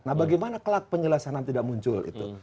nah bagaimana kelak penyelesaian yang tidak muncul itu